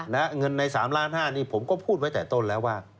และเงินใน๓ล้าน๕ผมพูดไว้แต่ต้นแล้วว่า